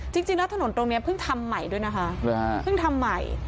จริงแล้วถนนตรงนี้เพิ่งทำใหม่ด้วยนะคะเพิ่งทำใหม่